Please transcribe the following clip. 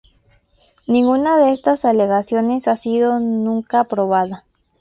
Ninguna de estas alegaciones ha sido nunca probada.